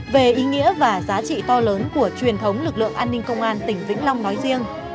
về ý nghĩa và giá trị to lớn của truyền thống lực lượng an ninh công an tỉnh vĩnh long nói riêng